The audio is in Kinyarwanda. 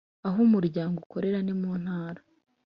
Aho Umuryango ukorera ni mu Ntara